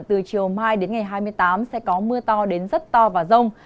từ chiều mai đến ngày hai mươi tám sẽ có mưa to đến rất to và rông